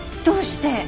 どうして？